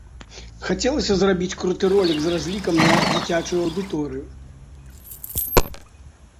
Хацелася зрабіць круты ролік з разлікам на дзіцячую аўдыторыю.